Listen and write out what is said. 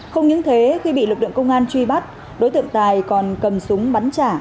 không những thế khi bị lực lượng công an truy bắt đối tượng tài còn cầm súng bắn trả